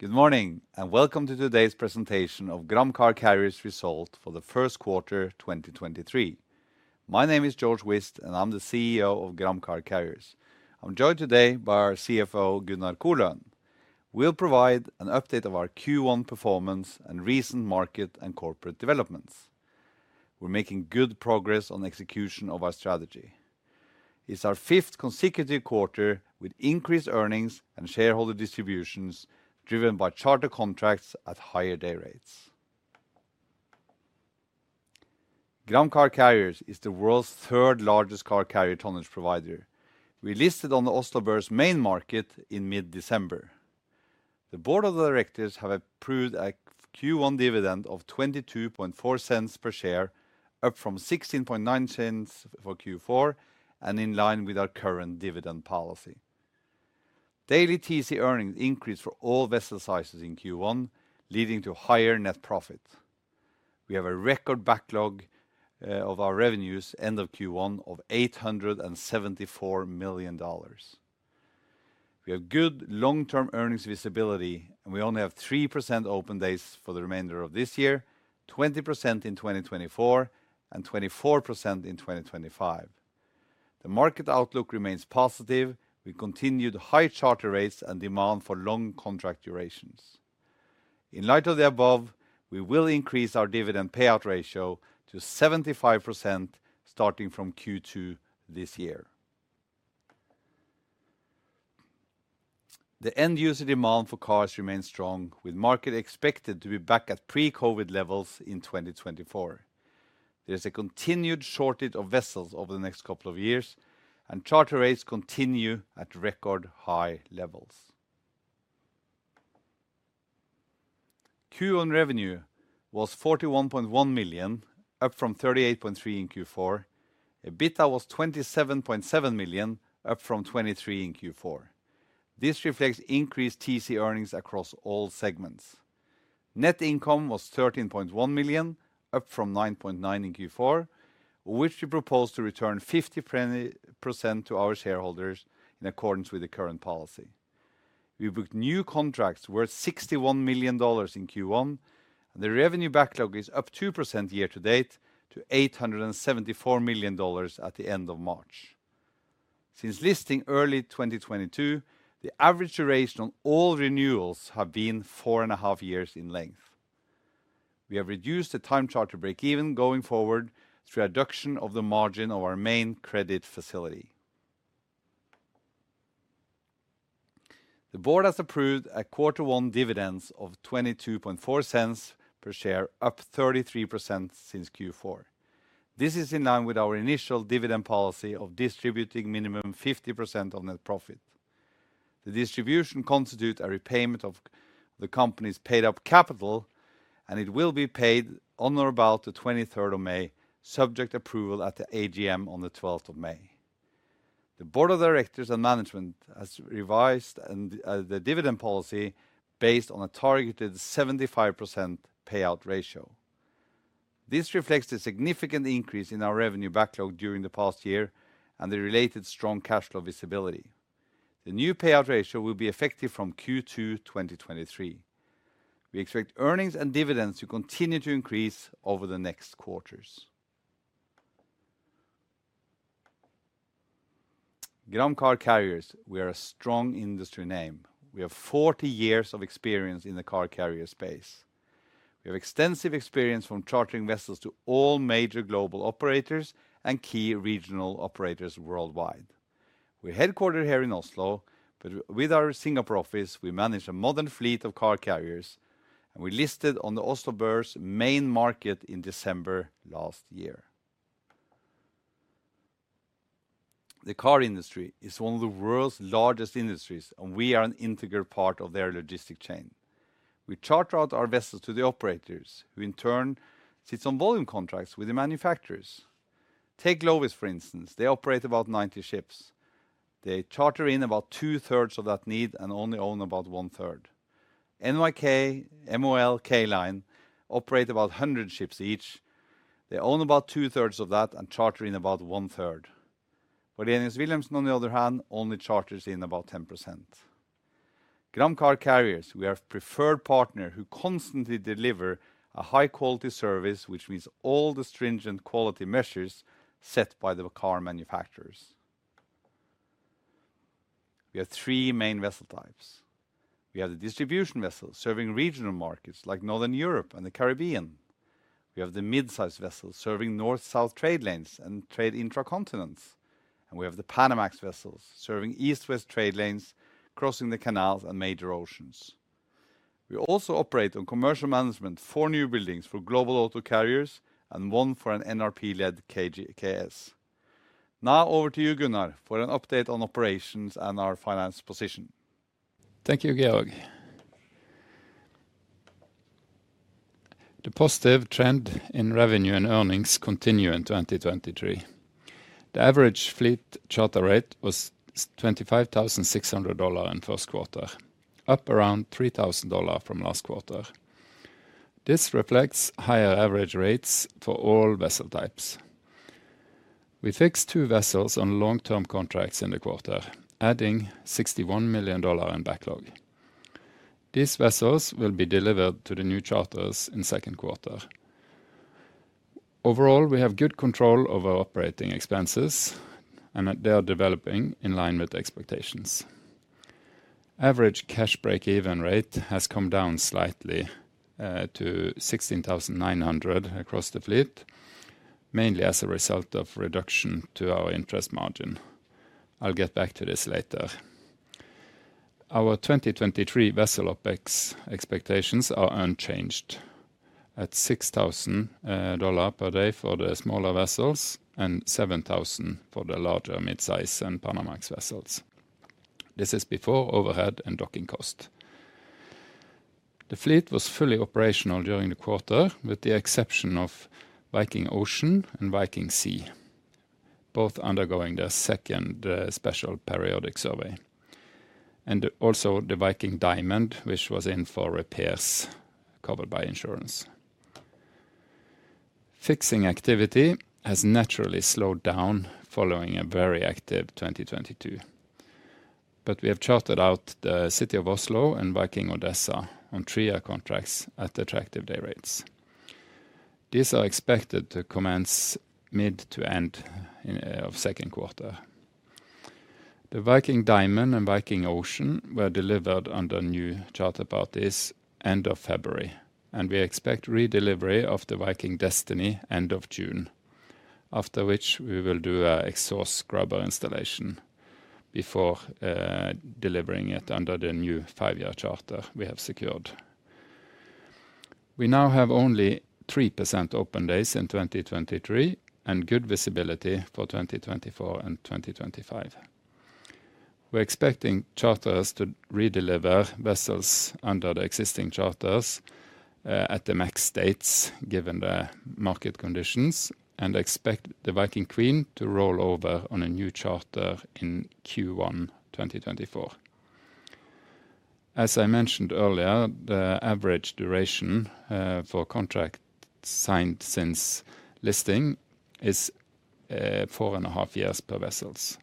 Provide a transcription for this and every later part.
Good morning, and welcome to today's presentation of Gram Car Carriers result for the first quarter 2023. My name is Georg Whist, and I'm the CEO of Gram Car Carriers. I'm joined today by our CFO, Gunnar Koløen. We'll provide an update of our Q1 performance and recent market and corporate developments. We're making good progress on execution of our strategy. It's our fifth consecutive quarter with increased earnings and shareholder distributions driven by charter contracts at higher day rates. Gram Car Carriers is the world's third-largest car carrier tonnage provider. We listed on the Oslo Børs main market in mid-December. The board of directors have approved a Q1 dividend of $0.224 per share, up from $0.169 for Q4, and in line with our current dividend policy. Daily TC earnings increased for all vessel sizes in Q1, leading to higher net profit. We have a record backlog of our revenues end of Q1 of $874 million. We have good long-term earnings visibility, and we only have 3% open days for the remainder of this year, 20% in 2024, and 24% in 2025. The market outlook remains positive with continued high charter rates and demand for long contract durations. In light of the above, we will increase our dividend payout ratio to 75% starting from Q2 this year. The end user demand for cars remains strong, with market expected to be back at pre-COVID levels in 2024. There is a continued shortage of vessels over the next couple of years, and charter rates continue at record high levels. Q1 revenue was $41.1 million, up from $38.3 million in Q4. EBITDA was $27.7 million, up from $23 million in Q4. This reflects increased TC earnings across all segments. Net income was $13.1 million, up from $9.9 million in Q4, which we propose to return 50% to our shareholders in accordance with the current policy. We booked new contracts worth $61 million in Q1. The revenue backlog is up 2% year-to-date to $874 million at the end of March. Since listing early 2022, the average duration on all renewals have been four and a half years in length. We have reduced the time charter break-even going forward through a reduction of the margin of our main credit facility. The board has approved a Q1 dividends of $0.224 per share, up 33% since Q4. This is in line with our initial dividend policy of distributing minimum 50% of net profit. The distribution constitutes a repayment of the company's paid-up capital, and it will be paid on or about the 23rd of May, subject approval at the AGM on the 12th of May. The board of directors and management has revised the dividend policy based on a targeted 75% payout ratio. This reflects the significant increase in our revenue backlog during the past year and the related strong cash flow visibility. The new payout ratio will be effective from Q2 2023. We expect earnings and dividends to continue to increase over the next quarters. Gram Car Carriers, we are a strong industry name. We have 40 years of experience in the car carrier space. We have extensive experience from chartering vessels to all major global operators and key regional operators worldwide. We are headquartered here in Oslo, but with our Singapore office, we manage a modern fleet of car carriers, and we listed on the Oslo Børs main market in December last year. The car industry is one of the world's largest industries, and we are an integral part of their logistic chain. We charter out our vessels to the operators who in turn sits on volume contracts with the manufacturers. Take Glovis, for instance. They operate about 90 ships. They charter in about 2/3 of that need and only own about 1/3. NYK, MOL, K Line operate about 100 ships each. They own about 2/3 of that and charter in about 1/3. While Wallenius Wilhelmsen, on the other hand, only charters in about 10%. Gram Car Carriers, we are a preferred partner who constantly deliver a high-quality service which meets all the stringent quality measures set by the car manufacturers. We have three main vessel types. We have the distribution vessels serving regional markets like Northern Europe and the Caribbean. We have the mid-size vessels serving north-south trade lanes and trade intra-continents. We have the Panamax vessels serving east-west trade lanes, crossing the canals and major oceans. We also operate on commercial management, four new buildings for Global Auto Carriers and one for an NRP-led KG-KS. Now over to you, Gunnar, for an update on operations and our finance position. Thank you, Georg. The positive trend in revenue and earnings continue in 2023. The average fleet charter rate was $25,600 in first quarter, up around $3,000 from last quarter. This reflects higher average rates for all vessel types. We fixed two vessels on long-term contracts in the quarter, adding $61 million in backlog. These vessels will be delivered to the new charters in second quarter. Overall, we have good control over operating expenses and they are developing in line with expectations. Average cash break-even rate has come down slightly to $16,900 across the fleet, mainly as a result of reduction to our interest margin. I'll get back to this later. Our 2023 vessel OpEx expectations are unchanged at $6,000 per day for the smaller vessels and $7,000 for the larger midsize and Panamax vessels. This is before overhead and docking cost. The fleet was fully operational during the quarter, with the exception of Viking Ocean and Viking Sea, both undergoing their second special periodic survey, and also the Viking Diamond, which was in for repairs covered by insurance. Fixing activity has naturally slowed down following a very active 2022. We have chartered out the City of Oslo and Viking Odessa on three-year contracts at attractive day rates. These are expected to commence mid to end in of second quarter. The Viking Diamond and Viking Ocean were delivered under new charter parties end of February. We expect redelivery of the Viking Destiny end of June, after which we will do a exhaust scrubber installation before delivering it under the new five-year charter we have secured. We now have only 3% open days in 2023 and good visibility for 2024 and 2025. We are expecting charters to redeliver vessels under the existing charters at the max dates given the market conditions, and expect the Viking Queen to roll over on a new charter in Q1 2024. As I mentioned earlier, the average duration for contract signed since listing is 4 and a half years per vessels.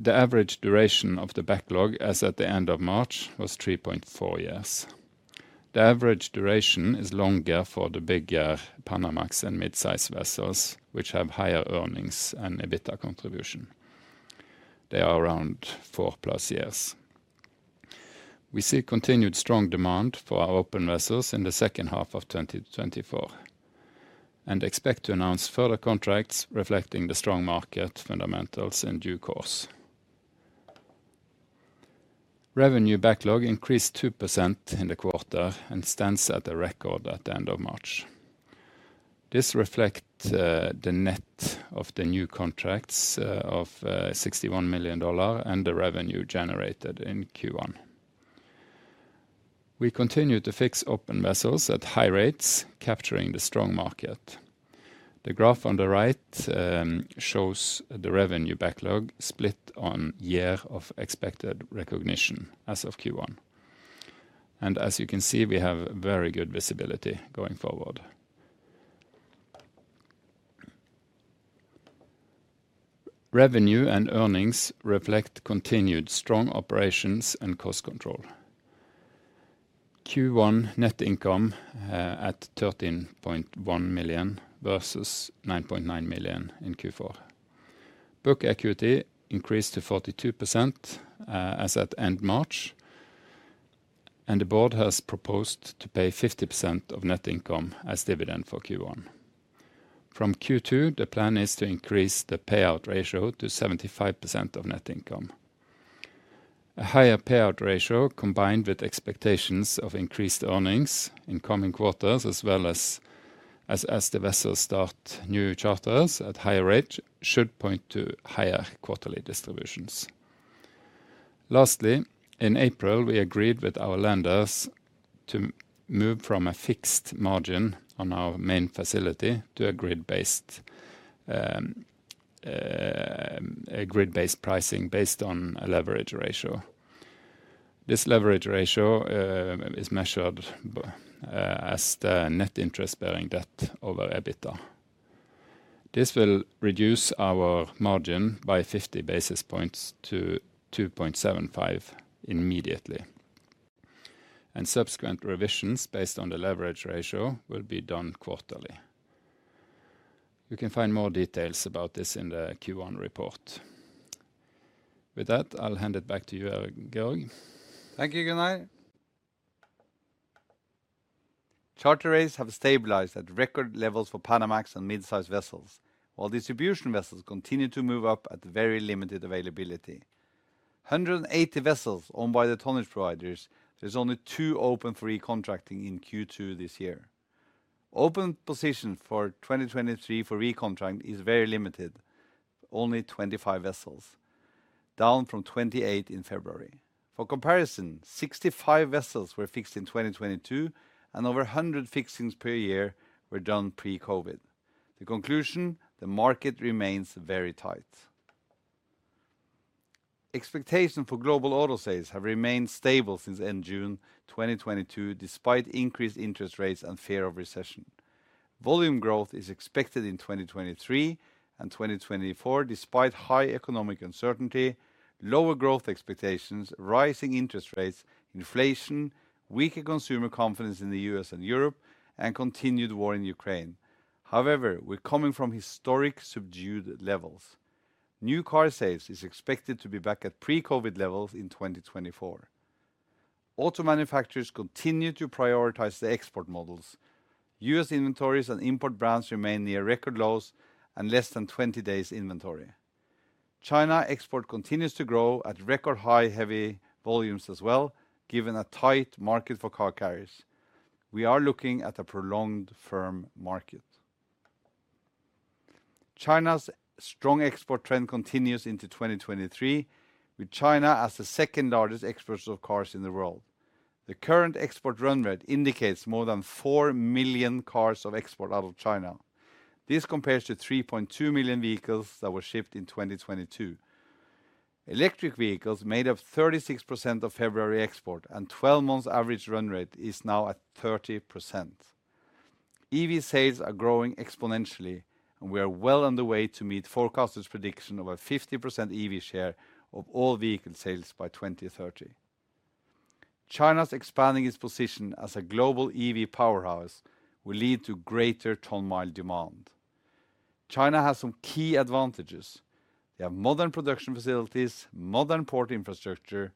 The average duration of the backlog as at the end of March was 3.4 years. The average duration is longer for the bigger Panamax and midsize vessels, which have higher earnings and EBITDA contribution. They are around four-plus years. We see continued strong demand for our open vessels in the second half of 2024 and expect to announce further contracts reflecting the strong market fundamentals in due course. Revenue backlog increased 2% in the quarter and stands at a record at the end of March. This reflect the net of the new contracts of $61 million and the revenue generated in Q1. We continue to fix open vessels at high rates, capturing the strong market. The graph on the right shows the revenue backlog split on year of expected recognition as of Q1. As you can see, we have very good visibility going forward. Revenue and earnings reflect continued strong operations and cost control. Q1 net income at $13.1 million versus $9.9 million in Q4. Book equity increased to 42% as at end March, and the board has proposed to pay 50% of net income as dividend for Q1. From Q2, the plan is to increase the payout ratio to 75% of net income. A higher payout ratio, combined with expectations of increased earnings in coming quarters, as well, as the vessels start new charters at higher rates should point to higher quarterly distributions. Lastly, in April, we agreed with our lenders to move from a fixed margin on our main facility to a grid-based, a grid-based pricing based on a leverage ratio. This leverage ratio is measured as the net interest-bearing debt over EBITDA. This will reduce our margin by 50 basis points to 2.75 immediately, and subsequent revisions based on the leverage ratio will be done quarterly. You can find more details about this in the Q1 report. With that, I'll hand it back to you, Georg. Thank you, Gunnar. Charter rates have stabilized at record levels for Panamax and midsize vessels, while distribution vessels continue to move up at very limited availability. 180 vessels owned by the tonnage providers, there's only two open for recontracting in Q2 this year. Open positions for 2023 for recontract is very limited, only 25 vessels, down from 28 in February. For comparison, 65 vessels were fixed in 2022, over 100 fixings per year were done pre-COVID. The conclusion, the market remains very tight. Expectation for global auto sales have remained stable since end June 2022 despite increased interest rates and fear of recession. Volume growth is expected in 2023 and 2024 despite high economic uncertainty, lower growth expectations, rising interest rates, inflation, weaker consumer confidence in the U.S. and Europe, and continued war in Ukraine. We're coming from historic subdued levels. New car sales is expected to be back at pre-COVID levels in 2024. Auto manufacturers continue to prioritize the export models. U.S. inventories and import brands remain near record lows and less than 20 days inventory. China export continues to grow at record high heavy volumes as well, given a tight market for car carriers. We are looking at a prolonged firm market. China's strong export trend continues into 2023, with China as the second largest exporters of cars in the world. The current export run rate indicates more than 4 million cars of export out of China. This compares to 3.2 million vehicles that were shipped in 2022. Electric vehicles made up 36% of February export, and 12 months average run rate is now at 30%. EV sales are growing exponentially, and we are well on the way to meet forecasters' prediction of a 50% EV share of all vehicle sales by 2030. China's expanding its position as a global EV powerhouse will lead to greater ton-mile demand. China has some key advantages. They have modern production facilities, modern port infrastructure,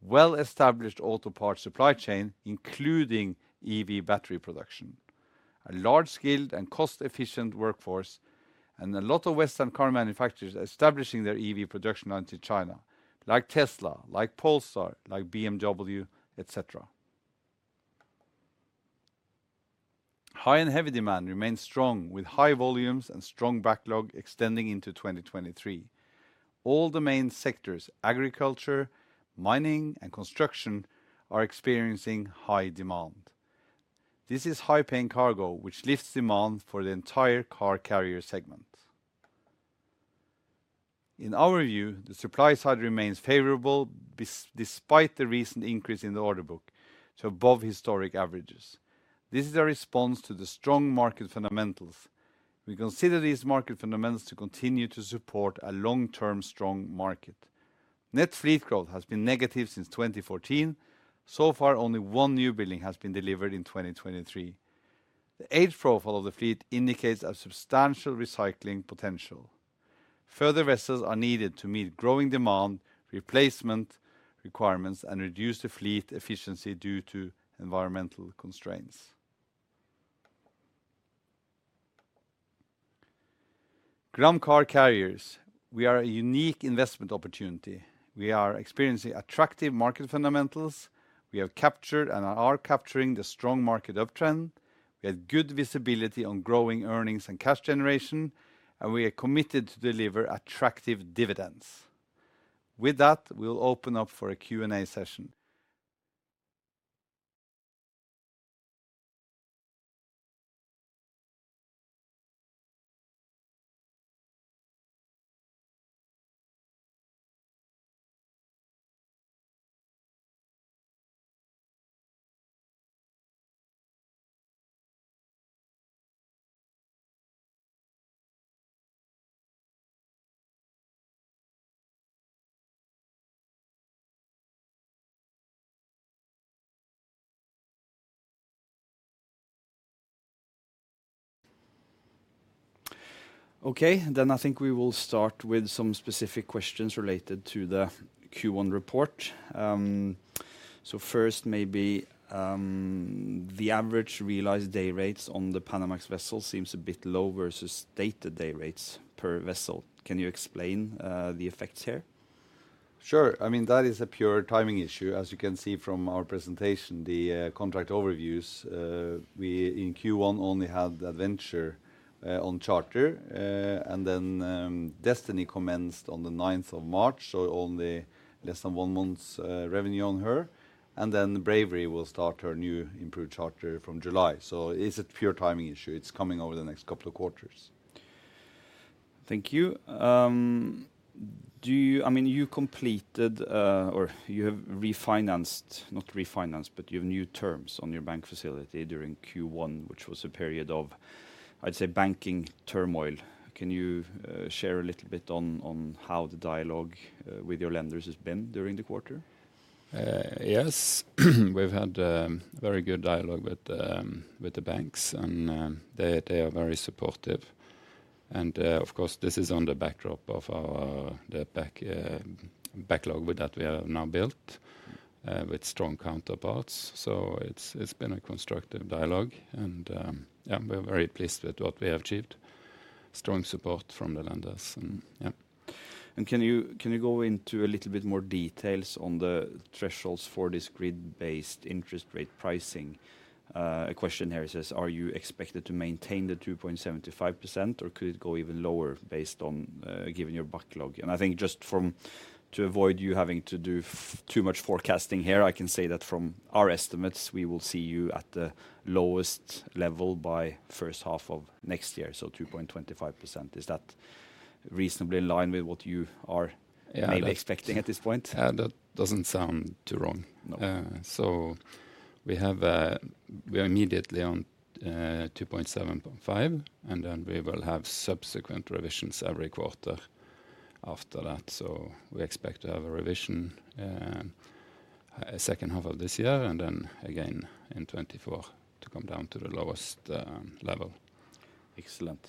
well-established auto parts supply chain, including EV battery production. A large skilled and cost-efficient workforce, and a lot of Western car manufacturers establishing their EV production line to China, like Tesla, like Polestar, like BMW, et cetera. High and heavy demand remains strong with high volumes and strong backlog extending into 2023. All the main sectors, agriculture, mining, and construction, are experiencing high demand. This is high paying cargo which lifts demand for the entire car carrier segment. In our view, the supply side remains favorable despite the recent increase in the order book to above historic averages. This is a response to the strong market fundamentals. We consider these market fundamentals to continue to support a long-term strong market. Net fleet growth has been negative since 2014. So far, only one new building has been delivered in 2023. The age profile of the fleet indicates a substantial recycling potential. Further vessels are needed to meet growing demand, replacement requirements, and reduce the fleet efficiency due to environmental constraints. Gram Car Carriers, we are a unique investment opportunity. We are experiencing attractive market fundamentals. We have captured and are capturing the strong market uptrend. We have good visibility on growing earnings and cash generation, and we are committed to deliver attractive dividends. With that, we will open up for a Q&A session. Okay. I think we will start with some specific questions related to the Q1 report. First maybe, the average realized day rates on the Panamax vessel seems a bit low versus stated day rates per vessel. Can you explain the effects here? Sure. I mean, that is a pure timing issue. As you can see from our presentation, the contract overviews, we in Q1 only had Adventure on charter, and then Destiny commenced on the 9th of March, so only less than one month's revenue on her. Bravery will start her new improved charter from July. It's a pure timing issue. It's coming over the next couple of quarters. Thank you. Do you... I mean, you completed, or you have refinanced, not refinanced, but you have new terms on your bank facility during Q1, which was a period of, I'd say, banking turmoil. Can you share a little bit on how the dialogue with your lenders has been during the quarter? Yes. We've had very good dialogue with the banks, they are very supportive. Of course, this is on the backdrop of our, the backlog with that we have now built with strong counterparts. It's been a constructive dialogue. Yeah, we're very pleased with what we have achieved. Strong support from the lenders and, yeah. Can you go into a little bit more details on the thresholds for this grid-based interest rate pricing? A question here says, "Are you expected to maintain the 2.75%, or could it go even lower based on given your backlog?" I think just from, to avoid you having to do too much forecasting here, I can say that from our estimates, we will see you at the lowest level by first half of next year, so 2.25%. Is that reasonably in line with what you are maybe expecting at this point? Yeah, that doesn't sound too wrong. We have, we are immediately on [2.75]% and then we will have subsequent revisions every quarter after that. We expect to have a revision second half of this year and then again in 2024 to come down to the lowest level. Excellent.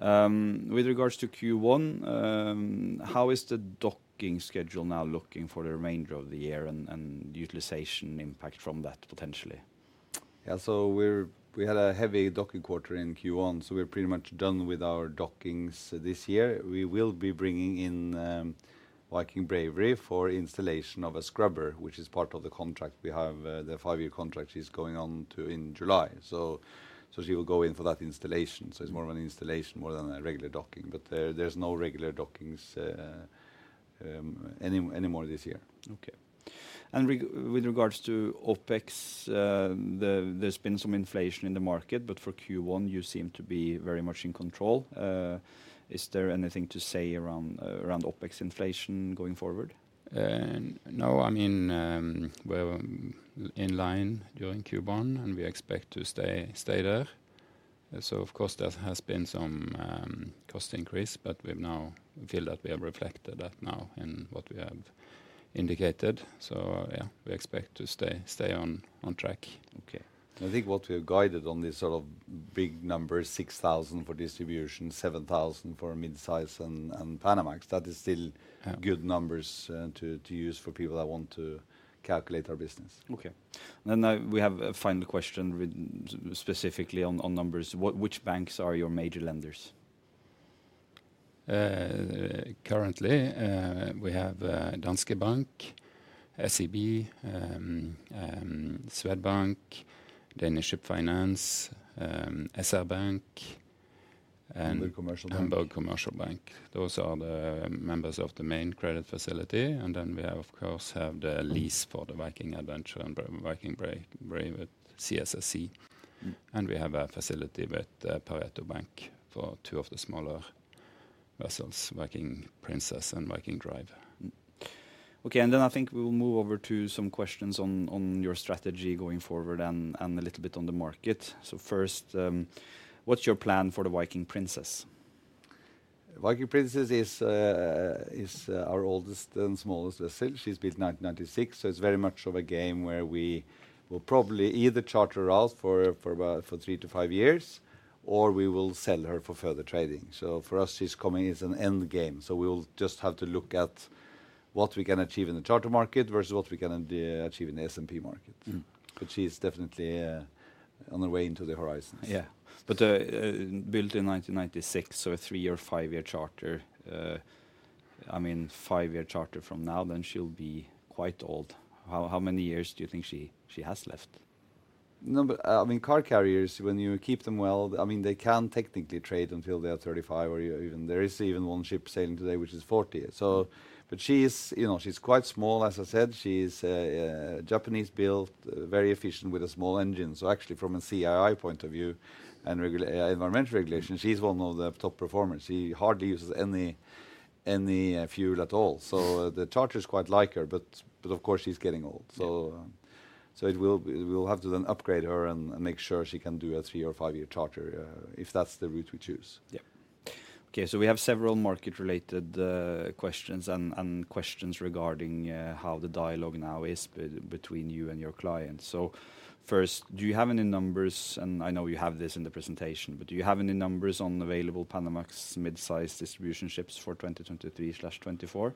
With regards to Q1, how is the docking schedule now looking for the remainder of the year and utilization impact from that potentially? Yeah. We had a heavy docking quarter in Q1, so we're pretty much done with our dockings this year. We will be bringing in Viking Bravery for installation of a scrubber, which is part of the contract we have. The five-year contract is going on to in July. She will go in for that installation, so it's more of an installation more than a regular docking. There's no regular dockings anymore this year. Okay. With regards to OpEx, there's been some inflation in the market, but for Q1 you seem to be very much in control. Is there anything to say around OpEx inflation going forward? No. I mean, we're in line during Q1 and we expect to stay there. Of course there has been some cost increase, but we've now feel that we have reflected that now in what we have indicated. Yeah, we expect to stay on track. Okay. I think what we have guided on this sort of big number is 6,000 for distribution, 7,000 for mid-size and Panamax. That is still good numbers, to use for people that want to calculate our business. Okay. Now we have a final question with specifically on numbers. Which banks are your major lenders? Currently, we have Danske Bank, SEB, Swedbank, Danish Ship Finance, SR Bank and Hamburg Commercial Bank. Those are the members of the main credit facility. We have, of course, have the lease for the Viking Adventure and Viking Bravery with CSSC. We have a facility with Pareto Bank for two of the smaller vessels, Viking Princess and Viking Drive. Okay. I think we will move over to some questions on your strategy going forward and a little bit on the market. First, what's your plan for the Viking Princess? Viking Princess is our oldest and smallest vessel. She's built 1996, so it's very much of a game where we will probably either charter her out for about three-five years or we will sell her for further trading. For us she's coming as an end game. We will just have to look at what we can achieve in the charter market versus what we can achieve in the S&P market. She's definitely on her way into the horizons. Yeah. Built in 1996, a three- or five-year charter, I mean, five-year charter from now, she'll be quite old. How many years do you think she has left? I mean, car carriers, when you keep them well, I mean, they can technically trade until they are 35 or even there is even one ship sailing today which is 40. She is, you know, she's quite small, as I said. She is Japanese built, very efficient with a small engine. Actually from a CII point of view and environmental regulation, she's one of the top performers. She hardly uses any fuel at all. The charters quite like her, but of course she's getting old. It will be, we will have to then upgrade her and make sure she can do a three- or five-year charter, if that's the route we choose. Yeah. Okay. We have several market related questions and questions regarding how the dialogue now is between you and your clients. First, do you have any numbers, and I know you have this in the presentation, but do you have any numbers on available Panamax mid-size distribution ships for 2023/2024?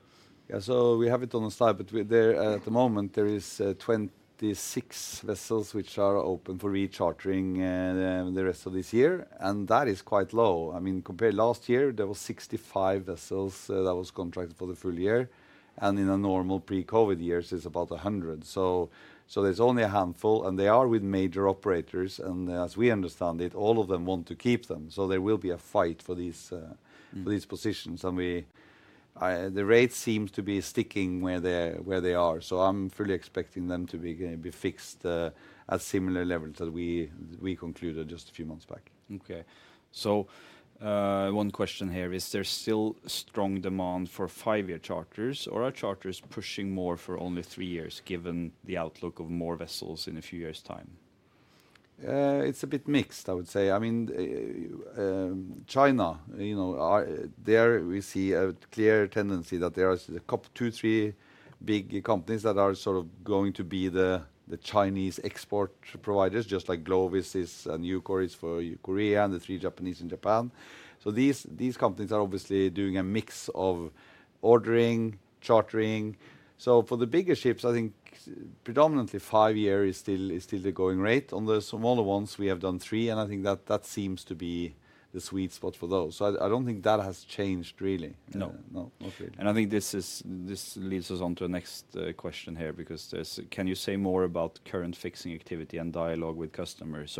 Yeah. We have it on the side, but we there, at the moment, there is 26 vessels which are open for rechartering the rest of this year, and that is quite low. I mean, compared last year there was 65 vessels that was contracted for the full year, and in a normal pre-COVID years is about 100. There's only a handful and they are with major operators. As we understand it, all of them want to keep them. There will be a fight for these for these positions. We, the rates seems to be sticking where they're, where they are. I'm fully expecting them to be fixed at similar levels that we concluded just a few months back. One question here. Is there still strong demand for five-year charters or are charters pushing more for only three years given the outlook of more vessels in a few years' time? It's a bit mixed I would say. I mean, China, you know, there we see a clear tendency that there are two, three big companies that are sort of going to be the Chinese export providers, just like Glovis is and Eukor is for Korea and the three Japanese in Japan. These companies are obviously doing a mix of ordering, chartering. For the bigger ships, I think predominantly five-year is still the going rate. On the smaller ones, we have done three and I think that seems to be the sweet spot for those. I don't think that has changed really. No, not really. I think this leads us on to the next question here. Can you say more about current fixing activity and dialogue with customers?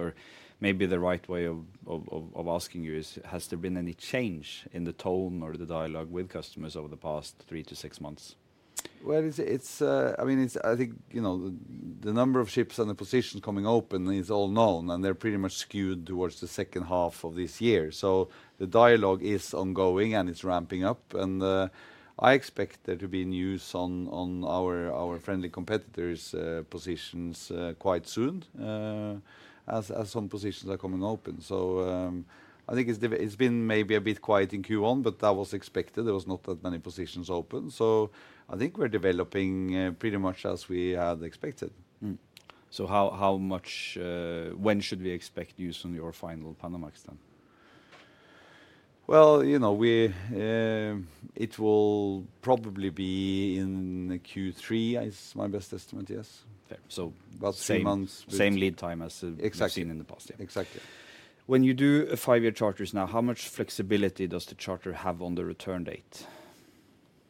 Maybe the right way of asking you is, has there been any change in the tone or the dialogue with customers over the past three-six months? Well, it's, I mean, I think, you know, the number of ships and the positions coming open is all known, and they're pretty much skewed towards the second half of this year. The dialogue is ongoing, and it's ramping up. I expect there to be news on our friendly competitors' positions quite soon as some positions are coming open. I think it's been maybe a bit quiet in Q1, but that was expected. There was not that many positions open. I think we're developing pretty much as we had expected. How much? When should we expect news on your final Panamax then? Well, you know, it will probably be in the Q3 is my best estimate, yes. About three months. Same lead time as we've seen in the past, yeah. Exactly. When you do five-year charters now, how much flexibility does the charter have on the return date?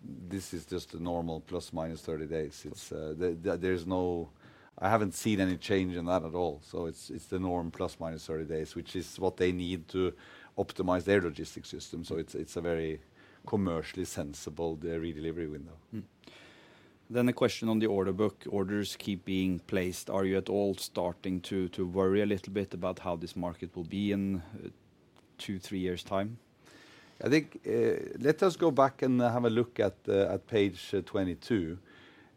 This is just a normal ±30 days. I haven't seen any change in that at all. It's the norm ±30 days, which is what they need to optimize their logistics system. It's a very commercially sensible, the redelivery window. A question on the order book. Orders keep being placed. Are you at all starting to worry a little bit about how this market will be in two, three years' time? I think, let us go back and have a look at page 22.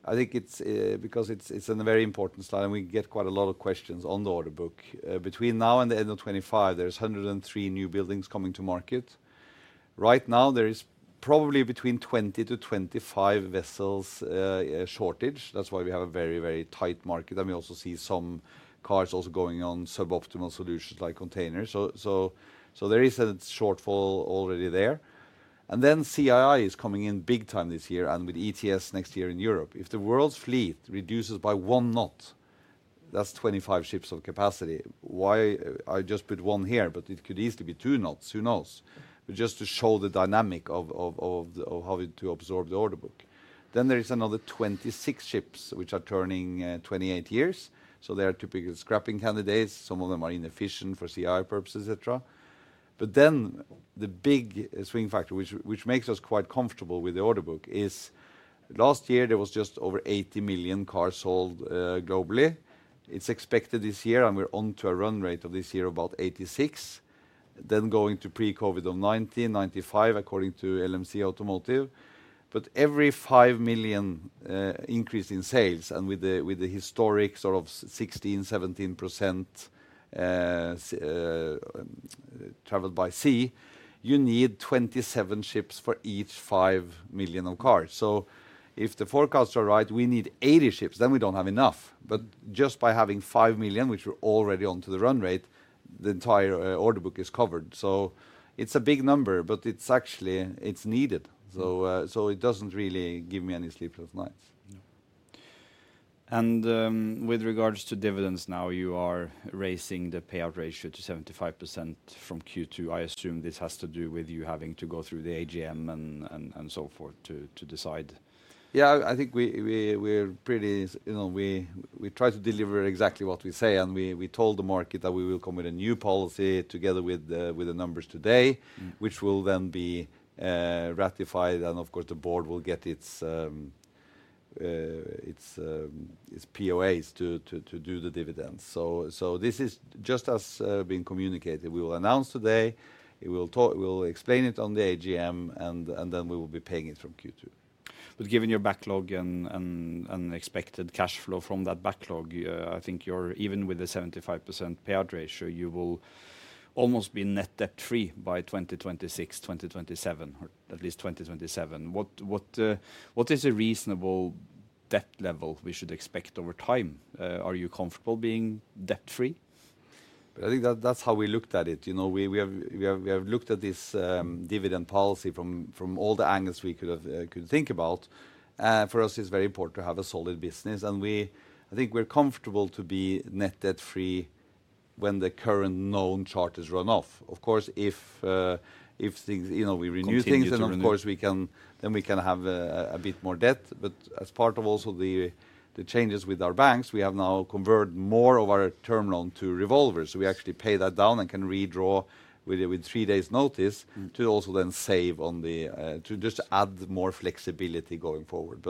I think it's an very important slide, and we get quite a lot of questions on the order book. Between now and the end of 2025, there is 103 new buildings coming to market. Right now, there is probably between 20 to 25 vessels shortage. That's why we have a very, very tight market, and we also see some cars also going on suboptimal solutions like containers. There is a shortfall already there. CII is coming in big time this year and with ETS next year in Europe. If the world's fleet reduces by 1 knot, that's 25 ships of capacity. Why I just put 1 knot here, but it could easily be 2 knots, who knows? Just to show the dynamic of how we're to absorb the order book. There is another 26 ships which are turning 28 years, so they are typical scrapping candidates. Some of them are inefficient for CII purposes, et cetera. The big swing factor which makes us quite comfortable with the order book is last year there was just over 80 million cars sold globally. It's expected this year, and we're on to a run rate of this year about 86, then going to pre-COVID of 90, 95 according to LMC Automotive. Every 5 million increase in sales and with the historic sort of 16%, 17% traveled by sea, you need 27 ships for each 5 million of cars. If the forecasts are right, we need 80 ships, then we don't have enough. Just by having $5 million, which we're already onto the run rate, the entire order book is covered. It's a big number, but it's actually, it's needed. So it doesn't really give me any sleepless nights. With regards to dividends now, you are raising the payout ratio to 75% from Q2. I assume this has to do with you having to go through the AGM and so forth to decide. Yeah, I think we're pretty you know, we try to deliver exactly what we say. We told the market that we will come with a new policy together with the numbers today which will then be ratified and, of course, the board will get its POAs to do the dividends. This is just as been communicated. We will announce today. We will talk, we will explain it on the AGM, and then we will be paying it from Q2. Given your backlog and expected cash flow from that backlog, I think you're, even with the 75% payout ratio, you will almost be net debt-free by 2026, 2027, or at least 2027. What is a reasonable debt level we should expect over time? Are you comfortable being debt-free? I think that that's how we looked at it. You know, we have looked at this dividend policy from all the angles we could have could think about. For us it's very important to have a solid business, and I think we're comfortable to be net debt-free when the current known charters run off. Of course, if things, you know, we renew things then of course we can, then we can have a bit more debt. As part of also the changes with our banks, we have now converted more of our term loan to revolvers. We actually pay that down and can redraw with three days notice to also then save on the, to just add more flexibility going forward.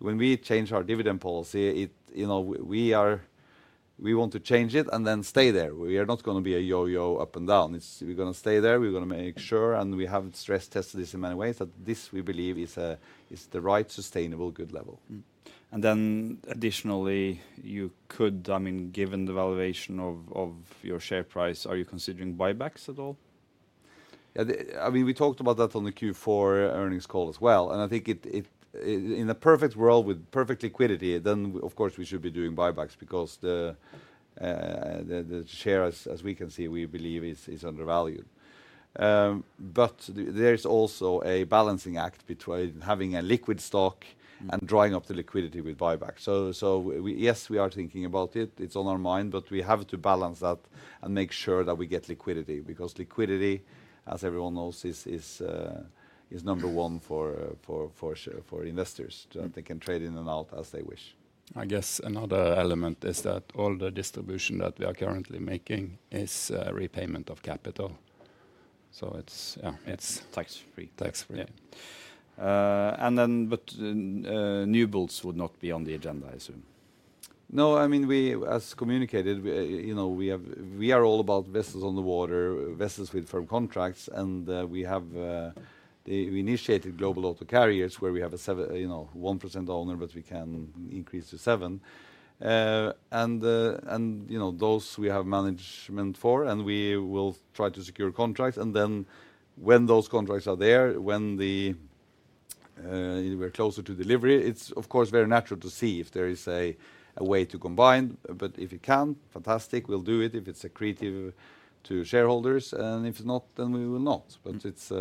When we change our dividend policy, it, you know, we want to change it and then stay there. We are not gonna be a yo-yo up and down. We're gonna stay there. We're gonna make sure, and we have stress tested this in many ways, that this, we believe, is the right sustainable good level. Additionally you could, I mean, given the valuation of your share price, are you considering buybacks at all? I mean, we talked about that on the Q4 earnings call as well. I think in a perfect world with perfect liquidity, of course we should be doing buybacks because the share, as we can see, we believe is undervalued. There is also a balancing act between having a liquid stock and drawing up the liquidity with buybacks. Yes, we are thinking about it. It's on our mind, but we have to balance that and make sure that we get liquidity because liquidity, as everyone knows, is number one for share, for investors that they can trade in and out as they wish. I guess another element is that all the distribution that we are currently making is repayment of capital. It's tax-free. Tax-free. Yeah. New builds would not be on the agenda, I assume? No. I mean, as communicated, we, you know, we are all about vessels on the water, vessels with firm contracts, and we initiated Global Auto Carriers where we have a 7, you know, 1% owner, but we can increase to 7. You know, those we have management for, and we will try to secure contracts. When those contracts are there, when we're closer to delivery, it's of course very natural to see if there is a way to combine. If it can, fantastic, we'll do it if it's accretive to shareholders, and if not, then we will not. It's, but it's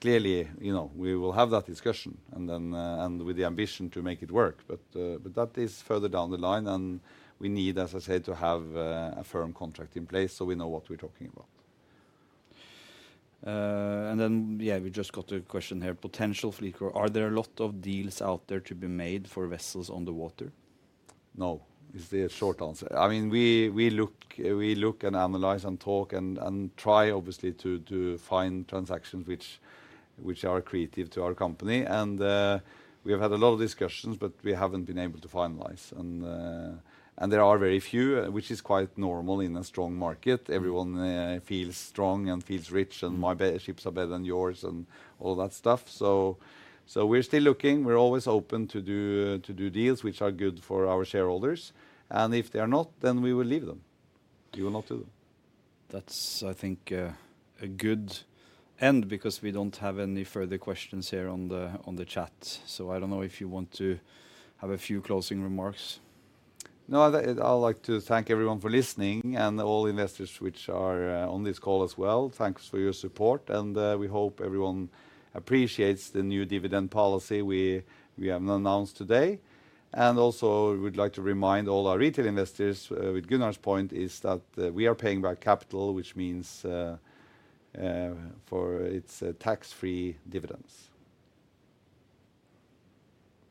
clearly, you know, we will have that discussion and then, and with the ambition to make it work. That is further down the line and we need, as I said, to have, a firm contract in place so we know what we're talking about. Yeah, we just got a question here. Potential fleet core. Are there a lot of deals out there to be made for vessels on the water? No, is the short answer. I mean, we look and analyze and talk and try obviously to find transactions which are accretive to our company. We have had a lot of discussions, but we haven't been able to finalize. There are very few, which is quite normal in a strong market. Everyone feels strong and feels rich, and ships are better than yours and all that stuff. So we're still looking. We're always open to do deals which are good for our shareholders, and if they are not, then we will leave them. We will not do them. That's I think, a good end because we don't have any further questions here on the, on the chat. I don't know if you want to have a few closing remarks. I'd like to thank everyone for listening and all investors which are on this call as well. Thanks for your support and we hope everyone appreciates the new dividend policy we have now announced today. Also we'd like to remind all our retail investors, with Gunnar's point, is that we are paying back capital, which means for its tax-free dividends.